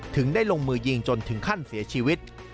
ได้ลงมือยิงจนถึงขั้นเสียชีวิต